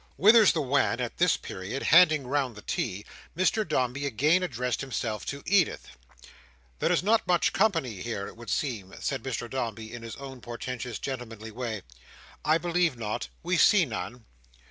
Withers the Wan, at this period, handing round the tea, Mr Dombey again addressed himself to Edith. "There is not much company here, it would seem?" said Mr Dombey, in his own portentous gentlemanly way. "I believe not. We see none."